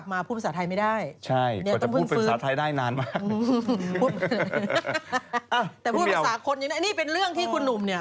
แต่พูดภาษาคนยังไงนี่เป็นเรื่องที่คุณหนุ่มเนี่ย